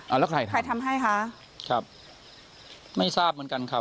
อ่าแล้วใครทำให้คะครับไม่ทราบเหมือนกันครับ